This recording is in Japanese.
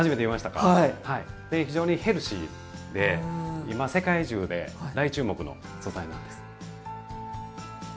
非常にヘルシーで今世界中で大注目の素材なんです。